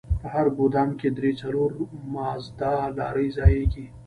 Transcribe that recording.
په هر ګودام کښې درې څلور مازدا لارۍ ځايېږي.